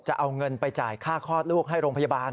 จะเอาเงินไปจ่ายค่าคลอดลูกให้โรงพยาบาล